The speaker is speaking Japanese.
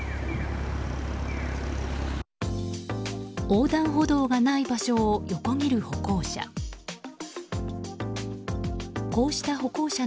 横断歩道がない場所を横切る歩行者。